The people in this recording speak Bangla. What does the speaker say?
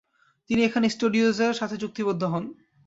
তিনি এসানে স্টুডিওজের সাথে চুক্তিবদ্ধ হন।